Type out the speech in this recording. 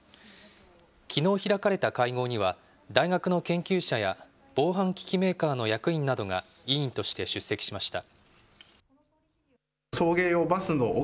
きのう開かれた会合には、大学の研究者や防犯機器メーカーの役員などが委員として出席しました。